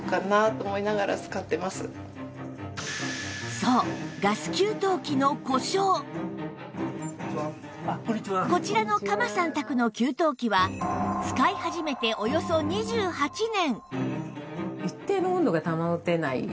そうこちらの鎌さん宅の給湯器は使い始めておよそ２８年